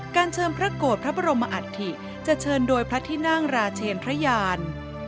การเชิงพระโกรธพระบรมอัฐษฐิจะเชิงโดยพระทินางราเชนทรยาน